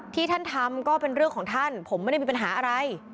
ที่ท่านทำก็เป็นเรื่องของท่านผมไม่ได้มีปัญหาอะไร